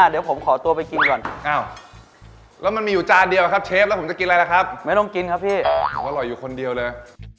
เดี๋ยวผมขอตัวไปกินก่อนอ้าวแล้วมันมีอยู่จานเดียวครับเชฟแล้วผมจะกินอะไรล่ะครับไม่ต้องกินครับพี่เขาอร่อยอยู่คนเดียวเลย